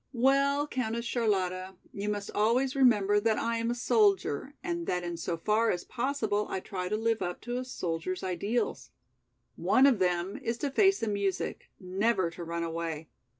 "Well, Countess Charlotta, you must always remember that I am a soldier, and that in so far as possible I try to live up to a soldier's ideals. One of them is to face the music, never to run away.